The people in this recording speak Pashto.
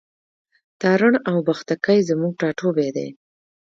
تارڼ اوبښتکۍ زموږ ټاټوبی دی.